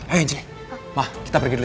ayo anggeli mah kita pergi dulu ya